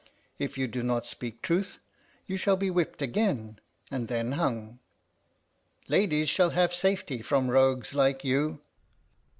If you do not speak truth, you shall be whipped again, and then hung. Ladies shall have safety from rogues like you."